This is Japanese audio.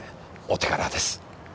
お手柄です。